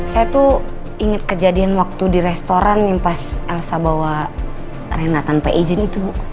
saya tuh inget kejadian waktu di restoran yang pas elsa bawa rena tanpa izin itu bu